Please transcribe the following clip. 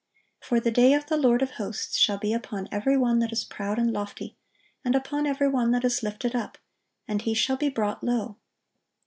For the day of the Lord of hosts shall be upon every one that is proud and lofty, and upon every one that is lifted up; and he shall be brought low."